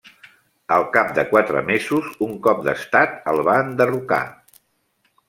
Al cap de quatre mesos un cop d'estat el va enderrocar.